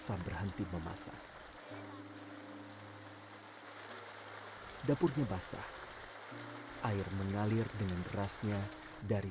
saya membasah tinam hanya untuk memasak